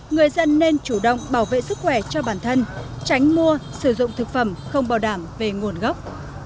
người dân nên chủ động bảo vệ sức khỏe cho bản thân tránh mua sử dụng thực phẩm không bảo đảm về nguồn gốc